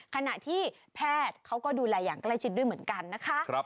ขณะที่แพทย์เขาก็ดูแลอย่างใกล้ชิดด้วยเหมือนกันนะคะ